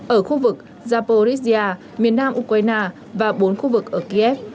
ở khu vực japorisia miền nam ukraine và bốn khu vực ở kiev